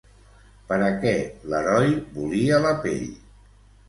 Per a què l'heroi volia la pell?